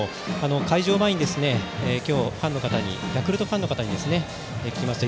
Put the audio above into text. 開場前に今日ヤクルトファンの方に聞きました。